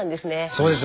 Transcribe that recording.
そうです。